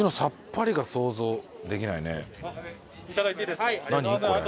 いただいていいですか？